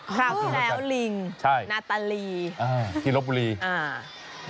ครับแนวลิงนาตาลีอ่าปีลบบุรีอ่า